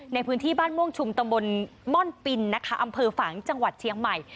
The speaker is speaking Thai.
ในพื้นที่บ้านม่วงชุมตำบลม่อนปินนะคะอำเภอฝังจังหวัดเชียงใหม่